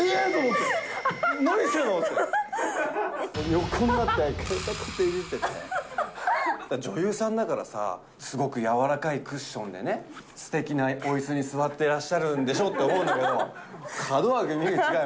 横になって携帯いじってて、女優さんだからさ、すごく柔らかいクッションでね、すてきなおいすに座ってらっしゃるんでしょうって思うんだけど、門脇麦は違う。